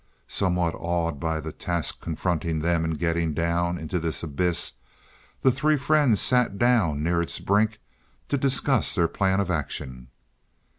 Somewhat awed by the task confronting them in getting down into this abyss, the three friends sat down near its brink to discuss their plan of action.